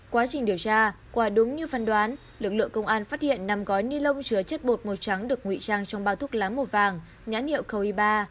quá trình điều tra qua đúng như phân đoán lực lượng công an phát hiện năm gói ni lông chứa chất bột màu trắng được ngụy trang trong bao thuốc láng màu vàng nhãn hiệu coe ba